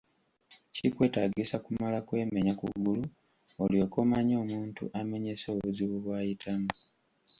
Kikwetaagisa kumala kwemenya kugulu olyoke omanye omuntu amenyese obuzibu bw'ayitamu?